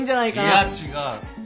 いや違う。